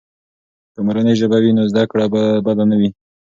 که مورنۍ ژبه وي، نو زده کړه به بده نه وي.